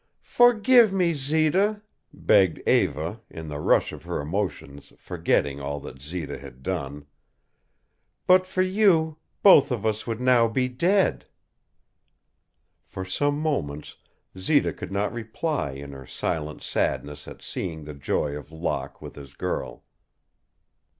"Forgive me, Zita," begged Eva, in the rush of her emotions forgetting all that Zita had done. "But for you, both of us would now be dead." For some moments Zita could not reply in her silent sadness at seeing the joy of Locke with this girl.